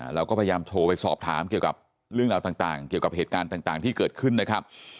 เราก็พยายามโทรไปสอบถามเกี่ยวกับเรื่องราวต่างเกี่ยวกับเหตุการณ์ต่างที่เกิดขึ้นนะครับ